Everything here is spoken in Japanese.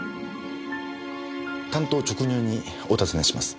単刀直入にお尋ねします。